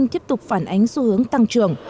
tiếp tục phản ánh xu hướng tăng trưởng